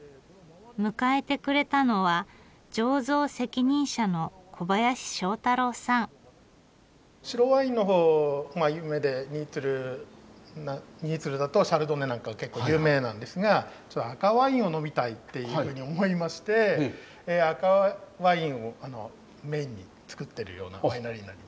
迎えてくれたのは白ワインのほうまあ有名で新鶴だとシャルドネなんかが結構有名なんですが実は赤ワインを呑みたいっていうふうに思いまして赤ワインをメインに造ってるようなワイナリーになります。